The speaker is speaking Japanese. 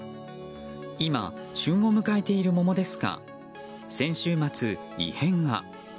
今、旬を迎えている桃ですが先週末、異変が。